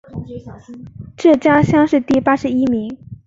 浙江乡试第八十一名。